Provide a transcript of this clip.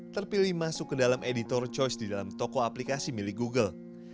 terpilih masuk ke dalam editor choice di dalam toko aplikasi milik google